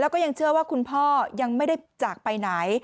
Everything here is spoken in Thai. แล้วก็ยังเชื่อว่าคุณพ่อยังไม่ได้จากไปไหน